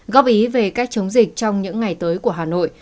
góp ý về cách chống dịch trong những ngày tới của hà nội